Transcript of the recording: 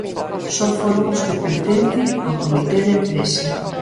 Só foron os que pertencen ao comité de empresa.